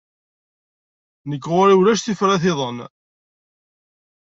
Nekk ɣur-i ulac tifrat-iḍen.